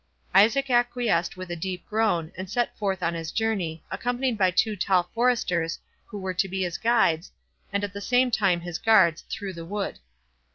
Isaac acquiesced with a deep groan, and set forth on his journey, accompanied by two tall foresters, who were to be his guides, and at the same time his guards, through the wood.